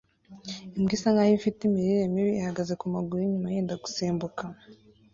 Imbwa isa nkaho ifite imirire mibi ihagaze kumaguru yinyuma yenda gusimbuka